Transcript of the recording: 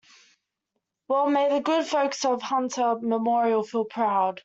Well may the good folks of Hunter Memorial feel proud.